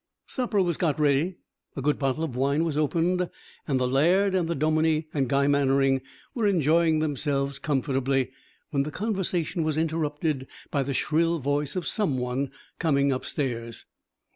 Supper was got ready, a good bottle of wine was opened, and the laird and the dominic and Guy Mannering were enjoying themselves comfortably, when the conversation was interrupted by the shrill voice of someone coming upstairs.